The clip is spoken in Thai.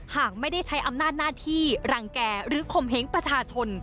หากไม่ได้ใช้อำนาจหน้าที่รังแก่หรือข่มเหงประชาชน